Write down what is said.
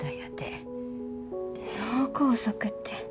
脳梗塞て。